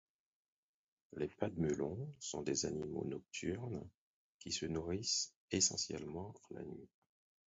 Les pademelons sont des animaux nocturnes qui se nourrissent essentiellement la nuit.